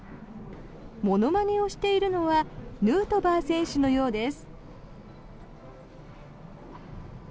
ものまねをしているのはヌートバー選手のようです。